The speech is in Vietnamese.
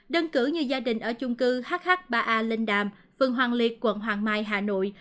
đơn cử như gia đình ở chung cư hh ba a linh đàm phường hoàng liệt quận hoàng mai hà nội